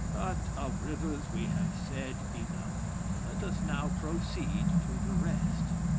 But of rivers we have said enough; let us now proceed to the rest.